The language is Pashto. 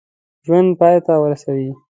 ژوند پای ته ورسوي.